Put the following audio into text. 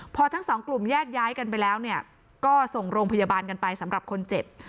พอทั้งสองกลุ่มแยกย้ายกันไปแล้วเนี่ยก็ส่งโรงพยาบาลกันไปสำหรับคนเจ็บ